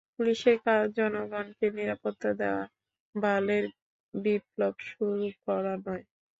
পুলিশের কাজ জনগণকে নিরাপত্তা দেয়া, বালের বিপ্লব শুরু করা নয়।